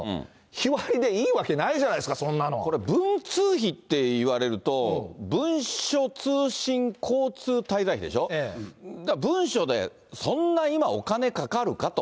日割りでいいわけないじゃないですか、これ、文通費っていわれると、文書通信交通滞在費でしょ、文書で、そんな今お金かかるかと。